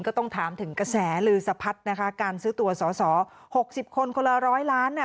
ก็ต้องถามถึงกระแสลือสะพัดนะคะการซื้อตัวสอสอ๖๐คนคนละร้อยล้าน